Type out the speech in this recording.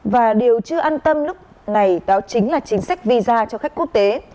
và điều chưa an tâm lúc này đó chính là chính sách visa cho khách quốc tế